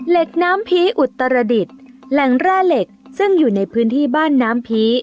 เหล็กน้ำผีอุตรดิษฐ์แหล่งแร่เหล็กซึ่งอยู่ในพื้นที่บ้านน้ำผี